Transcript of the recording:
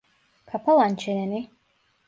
Kapa lan çeneni!